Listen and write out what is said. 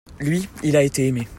lui, il a été aimé.